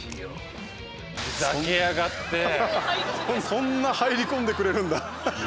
そんな入り込んでくれるんだ。